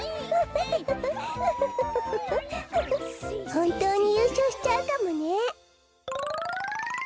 ほんとうにゆうしょうしちゃうかもね。